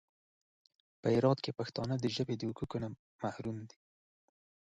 په هرات کې پښتانه د ژبې د حقوقو څخه محروم دي.